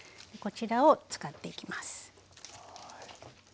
こちらを使っていきます。